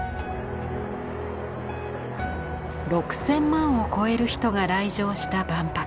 ６，０００万を超える人が来場した万博。